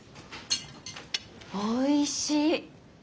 おいしい。